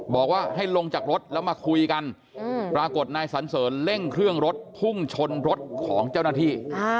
บอกว่าให้ลงจากรถแล้วมาคุยกันปรากฏนายสันเสริญเร่งเครื่องรถพุ่งชนรถของเจ้าหน้าที่